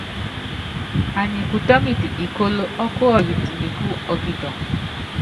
Anyi kutɔ́ŋitɛ ikóló ɔ́kuɔyit nikú ɔ́ kitɔŋ.